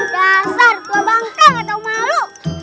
dasar tua bangkang atau maluk